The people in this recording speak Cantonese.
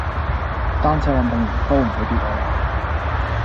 單車運動員都唔會跌落嚟